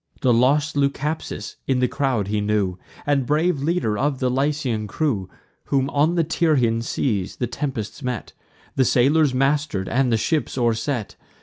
The lost Leucaspis in the crowd he knew, And the brave leader of the Lycian crew, Whom, on the Tyrrhene seas, the tempests met; The sailors master'd, and the ship o'erset.